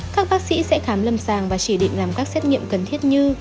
các bác sĩ sẽ khám lâm sàng và chỉ định làm các xét nghiệm cần thiết như